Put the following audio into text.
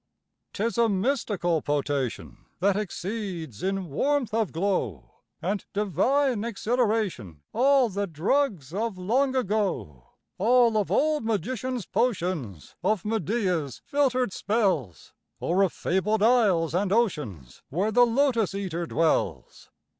'Tis a mystical potation That exceeds in warmth of glow And divine exhilaration All the drugs of long ago All of old magicians' potions Of Medea's filtered spells Or of fabled isles and oceans Where the Lotos eater dwells!